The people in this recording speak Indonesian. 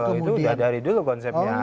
kalau itu sudah dari dulu konsepnya ada